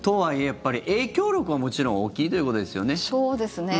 やっぱり影響力は、もちろん大きいということですよね。